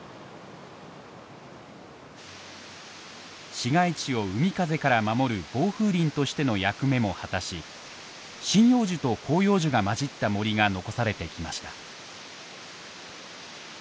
市街地を海風から守る防風林としての役目も果たし針葉樹と広葉樹がまじった森が残されてきました。